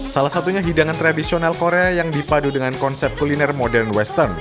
salah satunya hidangan tradisional korea yang dipadu dengan konsep kuliner modern western